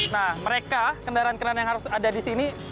nah mereka kendaraan kendaraan yang harus ada di sini